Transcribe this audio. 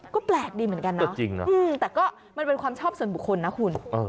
ก็แปลกดีเหมือนกันนะแต่ก็มันเป็นความชอบส่วนบุคคลนะคุณ